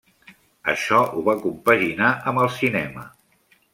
Això ho va compaginar amb el cinema.